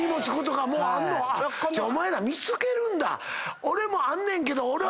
俺もあんねんけど俺は。